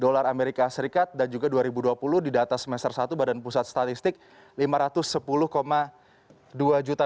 dolar amerika serikat dan juga dua ribu dua puluh di data semester satu badan pusat statistik lima ratus sepuluh dua juta